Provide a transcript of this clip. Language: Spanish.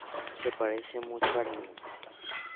Se parece mucho a Arlene.